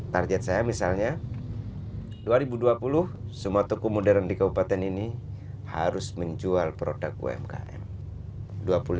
target saya misalnya dua ribu dua puluh semua toko modern di kabupaten ini saya akan mencapai target ini